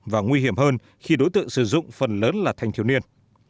và nguy hiểm hơn khi đối tượng sử dụng phần lớn là thanh thiếu niên